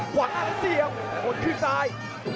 ขวางหน้าเสียงขนขึ้นซ้าย